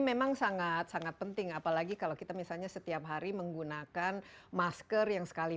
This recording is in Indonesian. memang sangat sangat penting apalagi kalau kita misalnya setiap hari menggunakan masker yang sekali